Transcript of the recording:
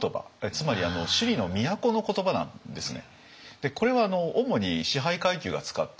つまり首里の都の言葉なんですね。